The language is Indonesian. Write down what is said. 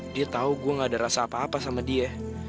dia tahu gue gak ada rasa apa apa sama dia